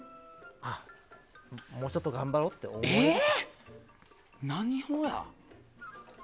もうちょっと頑張ろうって思えるか。